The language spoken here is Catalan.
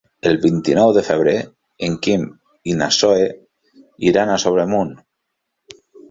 El vint-i-nou de febrer en Quim i na Zoè iran a Sobremunt.